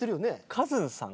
カズンさん？